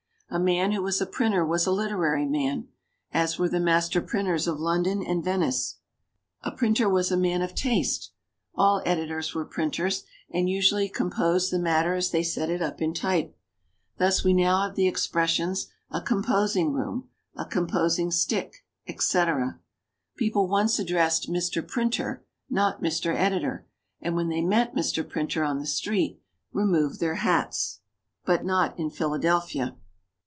A man who was a printer was a literary man, as were the master printers of London and Venice. A printer was a man of taste. All editors were printers, and usually composed the matter as they set it up in type. Thus we now have the expressions: a "composing room," a "composing stick," etc. People once addressed "Mr. Printer," not "Mr. Editor," and when they met "Mr. Printer" on the street removed their hats but not in Philadelphia.